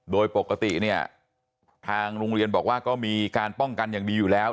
โดยปกติเนี่ยทางโรงเรียนบอกว่าก็มีการป้องกันอย่างดีอยู่แล้ว